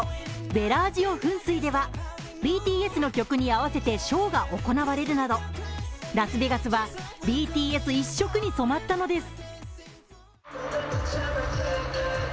ベラージオ噴水ではＢＴＳの曲に合わせてショーが行われるなど、ラスベガスはＢＴＳ一色に染まったのです。